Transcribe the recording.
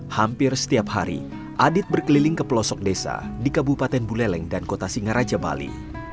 hampir setiap hari adit berkeliling ke pelosok desa di kabupaten buleleng dan kota singaraja bali